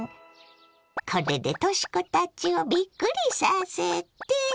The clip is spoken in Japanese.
これでとし子たちをびっくりさせて。